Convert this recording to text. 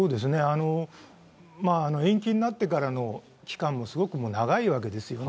延期になってからの期間もすごく長いわけですよね。